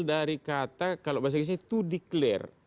dari kata kalau bahasa inggrisnya